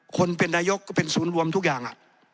คนเป็นนายกก็เป็นศูนย์รวมทุกอย่าง